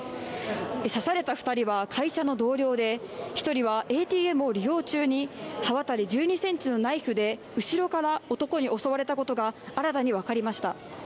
刺された２人は会社の同僚で、１人はＡＴＭを利用中に刃渡り１２ｃｍのナイフで後ろから男に襲われたことが新たに分かりました。